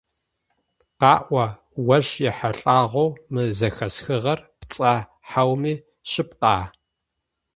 Къаӏо, ощ ехьылӀагъэу мы зэхэсхыгъэр пцӀа хьауми шъыпкъа?